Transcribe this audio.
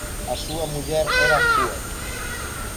A súa muller era Fuad.